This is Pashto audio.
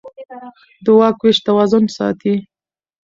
د واک وېش توازن ساتي